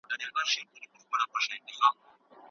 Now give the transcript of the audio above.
مالونه باید په ناحقه ونه خوړل سي.